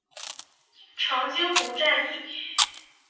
长津湖战役